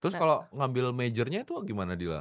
terus kalau ngambil majernya itu gimana dila